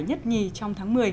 nhất nhì trong tháng một mươi